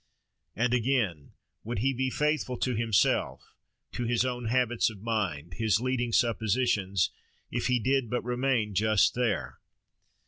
And again, would he be faithful to himself, to his own habits of mind, his leading suppositions, if he did but remain just there?